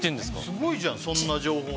すごいじゃんそんな情報を。